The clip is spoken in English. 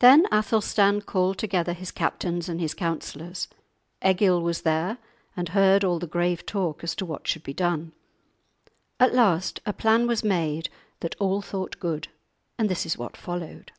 Then Athelstan called together his captains and his counsellors; Egil was there, and heard all the grave talk as to what should be done. At last a plan was made that all thought good, and this is what followed.